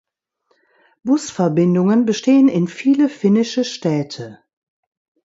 Busverbindungen bestehen in viele finnische Städte.